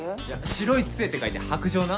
「白い杖」って書いて「白杖」な。